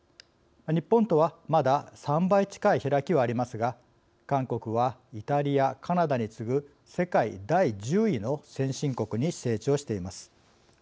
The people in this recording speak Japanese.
日本とは、まだ３倍近い開きはありますが韓国はイタリア、カナダに次ぐ世界第１０位の先進国に成長しています。